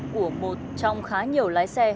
của một trong khá nhiều lái xe